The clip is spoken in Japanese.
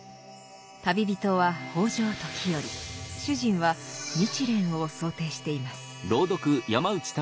旅人は北条時頼主人は日蓮を想定しています。